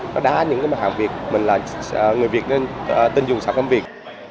nó đá những cái mặt hàng việt mình là người việt nên tên dùng sản phẩm việt